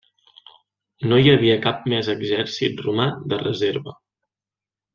No hi havia cap més exèrcit romà de reserva.